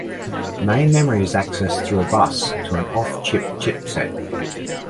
Main memory is accessed through a bus to an off-chip chipset.